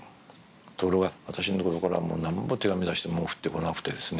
ところが私のところからはもうなんぼ手紙出しても送ってこなくてですね。